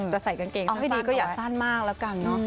ใส่กางเกงเอาให้ดีก็อย่าสั้นมากแล้วกันเนอะ